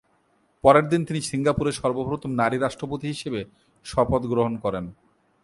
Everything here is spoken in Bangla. পরের দিন তিনি সিঙ্গাপুরের সর্বপ্রথম নারী রাষ্ট্রপতি হিসেবে শপথ গ্রহণ করেন।